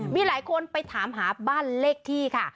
มีหลายคนไปถามหาบ้านเลขที่ค่ะ